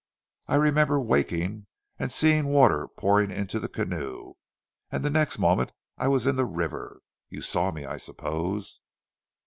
"I remember waking and seeing water pouring into the canoe, and the next moment I was in the river. You saw me, I suppose?"